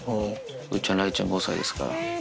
風ちゃん、雷ちゃん、５歳ですから。